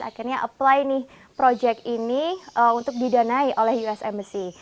akhirnya apply nih project ini untuk didanai oleh us embassy